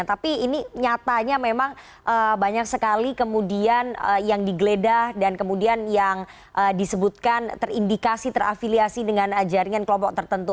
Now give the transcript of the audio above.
tapi ini nyatanya memang banyak sekali kemudian yang digeledah dan kemudian yang disebutkan terindikasi terafiliasi dengan jaringan kelompok tertentu